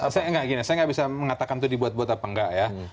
saya nggak bisa mengatakan itu dibuat buat atau nggak ya